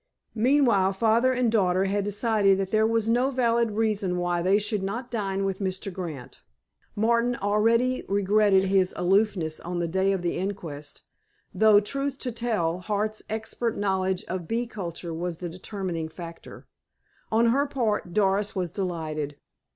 Meanwhile, father and daughter had decided that there was no valid reason why they should not dine with Mr. Grant. Martin already regretted his aloofness on the day of the inquest, though, truth to tell, Hart's expert knowledge of bee culture was the determining factor. On her part, Doris was delighted.